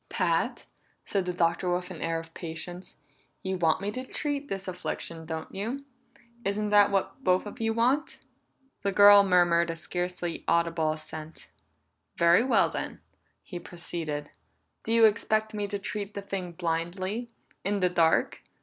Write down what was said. "Pat," said the Doctor with an air of patience, "you want me to treat this affliction, don't you? Isn't that what both of you want?" The girl murmured a scarcely audible assent. "Very well, then," he proceeded. "Do you expect me to treat the thing blindly in the dark?